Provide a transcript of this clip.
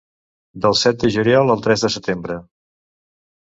Del set de juliol al tres de setembre.